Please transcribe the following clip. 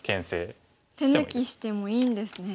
手抜きしてもいいんですね。